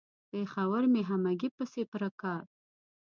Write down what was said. پېښور مې همګي پسې پره کا.